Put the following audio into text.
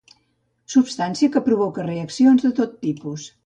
Substància que provoca reaccions de tot tipus.